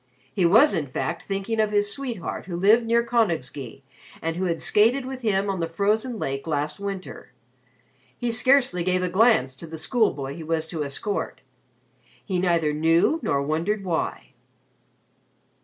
He was in fact thinking of his sweetheart who lived near Konigsee and who had skated with him on the frozen lake last winter. He scarcely gave a glance to the schoolboy he was to escort, he neither knew nor wondered why.